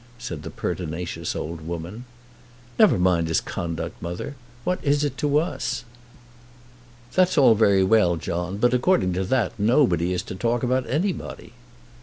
said the pertinacious old woman. "Never mind his conduct, mother. What is it to us?" "That's all very well, John; but according to that nobody is to talk about anybody."